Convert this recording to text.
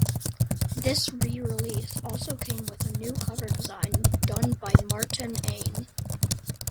This re-release also came with a new cover design done by Martin Ain.